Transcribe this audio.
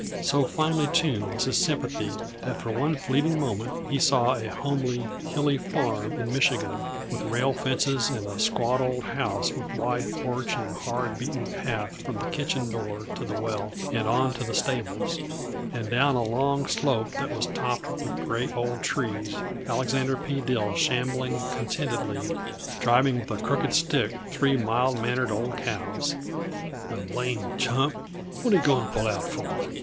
So finely tuned was his sympathy that for one fleeting moment he saw a homely, hilly farm in Michigan, with rail fences and a squat old house with wide porch and hard beaten path from the kitchen door to the well and on to the stables; and down a long slope that was topped with great old trees, Alexander P. Dill shambling contentedly, driving with a crooked stick three mild mannered old cows. "The blamed chump what did he go and pull out for?"